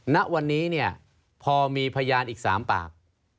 ณวันนี้เนี่ยพอมีพยานอีก๓ปาก